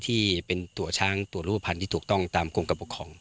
ที่เป็นตัวช้างตัวรูปภัณฑ์ตรงตามเมื่อกลับบุคครอง